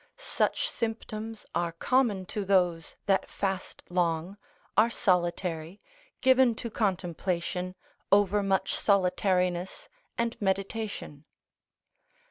Such symptoms are common to those that fast long, are solitary, given to contemplation, overmuch solitariness and meditation.